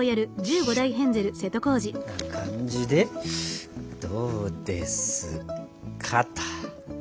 こんな感じでどうですかっと。